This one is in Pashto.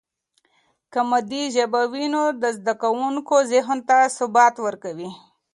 که مادي ژبه وي، نو د زده کوونکي ذهن ته ثبات ورکوي.